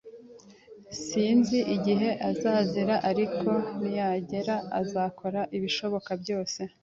Sinzi igihe azazira, ariko niyagera, azakora ibishoboka byose.